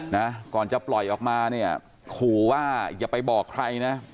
นะก่อนจะปล่อยออกมาเนี่ยขู่ว่าอย่าไปบอกใครนะ